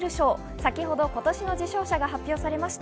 先ほど今年の受賞者が発表されました。